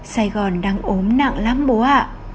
sài gòn đang ốm nặng lắm bố ạ